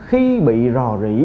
khi bị rò rỉ